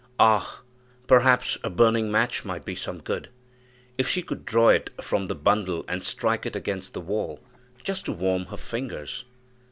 Ah! perhaps a burning match might be some good, if she could draw it from the bundle and strike it against the wall, just to warm her fingers.